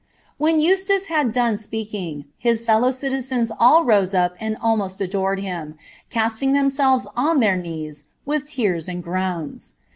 '^ WItcn Eustace had done speaking, his fellow citizens all rose up and alnosl adored liim, casting ihomjN'lves on their knees, with tears and groans.